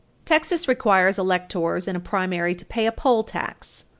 Texas requires electors in a primary to pay a poll tax.